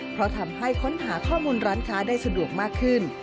เพราะทำให้ค้นหาข้อมูลร้านค้าได้สะดวกมากขึ้น